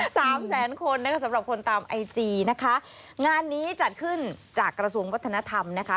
สามแสนคนนะคะสำหรับคนตามไอจีนะคะงานนี้จัดขึ้นจากกระทรวงวัฒนธรรมนะคะ